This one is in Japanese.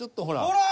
ほら！